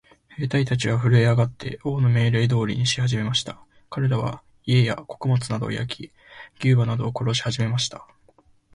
兵隊たちはふるえ上って、王の命令通りにしはじめました。かれらは、家や穀物などを焼き、牛馬などを殺しはじめました。